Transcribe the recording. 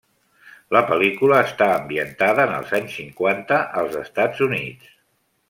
La pel·lícula està ambientada en els anys cinquanta, als Estats Units.